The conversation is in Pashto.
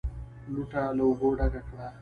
لوټه له اوبو ډکه کړه!